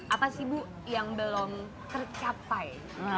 apa sih bu yang belum tercapai